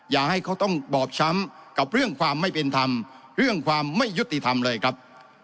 อย่าให้เขาต้องบอบช้ำกับเรื่องความไม่เป็นธรรมเรื่องความไม่ยุติธรรมเลยครับ